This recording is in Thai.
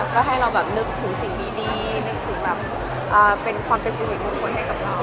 ก็ให้เราแบบนึกถึงสิ่งดีนึกถึงแบบเป็นความเป็นสิริมงคลให้กับเรา